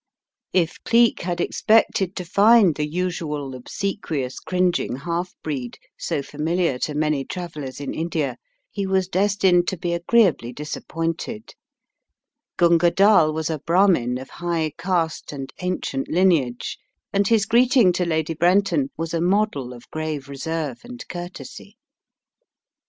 If Cleek had expected to find the usual obsequious, cringing half breed, so f amilar to many travellers in India, he was destined to be agreeably disappointed. Gunga Dall was a Brahmin of high caste and ancient 16* The Riddle of the Purple Emperor lineage, and his greeting to Lady Brenton was a model of grave reserve and courtesy.